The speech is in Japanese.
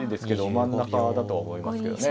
真ん中だと思いますけどね